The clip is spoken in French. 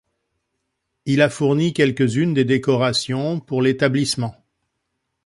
Il a fourni quelques-unes des décorations pour l'établissement.